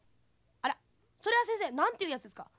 あらそれはせんせいなんていうやつですか？